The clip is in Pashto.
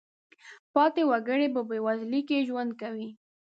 پاتې وګړي په بېوزلۍ کې ژوند کوي.